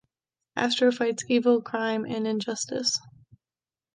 Astro fights evil, crime and injustice.